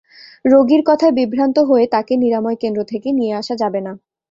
রোগীর কথায় বিভ্রান্ত হয়ে তাকে নিরাময় কেন্দ্র থেকে নিয়ে আসা যাবে না।